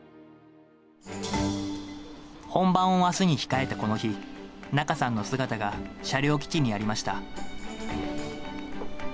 本番をあすに控えたこの日、仲さんの姿が車両基地にありました。